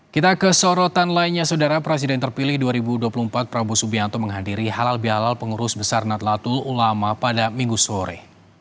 kita ke sorotan lainnya saudara presiden terpilih dua ribu dua puluh empat prabowo subianto menghadiri halal bihalal pengurus besar nadlatul ulama pada minggu sore